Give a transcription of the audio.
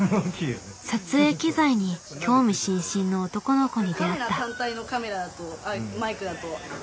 撮影機材に興味津々の男の子に出会った。